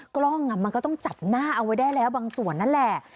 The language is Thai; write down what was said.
กล้องมันก็ต้องจับหน้าเอาไว้ได้แล้วบางส่วนนั่นแหละ